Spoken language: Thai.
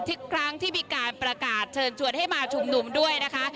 ทุกครั้งที่มีการประกาศเชิญชวนให้มาชุมนุมด้วยนะคะ